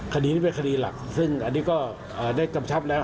คดีนี้เป็นคดีหลักซึ่งอันนี้ก็ได้กำชับแล้ว